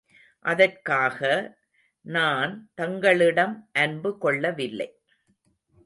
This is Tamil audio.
அதற்காக, நான் தங்களிடம் அன்பு கொள்ளவில்லை.